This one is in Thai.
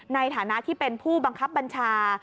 ในฐานะที่เป็นผู้บังคับบัญชา